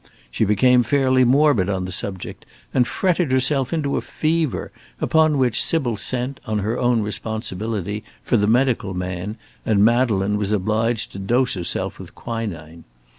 She became fairly morbid on the subject, and fretted herself into a fever, upon which Sybil sent, on her own responsibility, for the medical man, and Madeleine was obliged to dose herself with quinine.